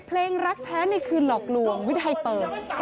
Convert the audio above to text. เพลงรักแท้ในคืนหลอกลวงวิทยาลัยเปิด